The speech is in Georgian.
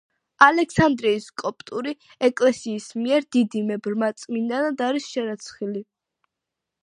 ალექსანდრიის კოპტური ეკლესიის მიერ დიდიმე ბრმა წმინდანად არის შერაცხილი.